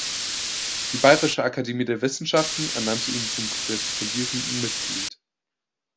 Die Bayerische Akademie der Wissenschaften ernannte ihn zum korrespondierenden Mitglied.